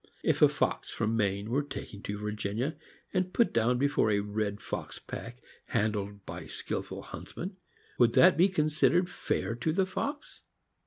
If a fox from Maine were taken to Virginia, and put down be fore a red fox pack handled by skilled huntsmen, would that be considered fair to the fox